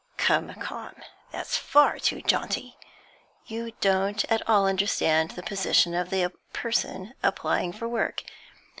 'Come, come; that's far too jaunty. You don't at all understand the position of the person applying for work.